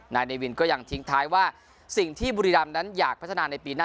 นายเนวินก็ยังทิ้งท้ายว่าสิ่งที่บุรีรำนั้นอยากพัฒนาในปีหน้า